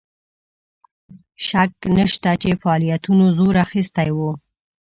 شک نسته چې فعالیتونو زور اخیستی وو.